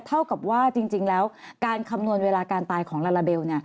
เท่ากับว่าจริงแล้วการคำนวณเวลาการตายของลาลาเบล